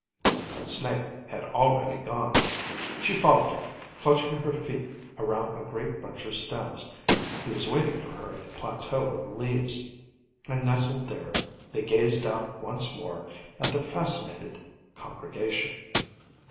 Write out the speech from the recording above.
But Snake had already gone. She followed him, clutching her feet around a great bunch of stems. He was waiting for her at the plateau of leaves, and nestled there, they gazed out once more at the fascinated congregation.